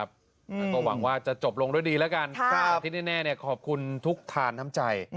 ก็หวังว่าจะจบลงด้วยดีละกันที่แน่เนี่ยขอบคุณทุกคาน้ำใจ